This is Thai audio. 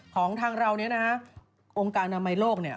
ของทางเรานี้นะฮะองค์การอำนาบใหม่โรคเนี่ย